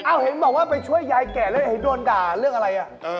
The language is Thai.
เอ้าเห็นบอกว่าไปช่วยยายแก่เราจะให้โดนด่าเรื่องอะไรล่ะ